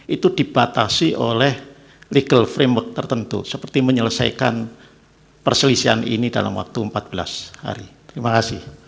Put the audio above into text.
itu dibatasi oleh legal framework tertentu seperti menyelesaikan perselisihan ini dalam waktu empat belas hari terima kasih